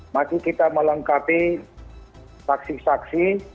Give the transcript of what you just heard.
masih kita melengkapi saksi saksi